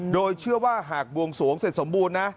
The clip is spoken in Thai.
โดยเชื่อว่าหากบวงสวงเสร็จสมบูรณ์นะ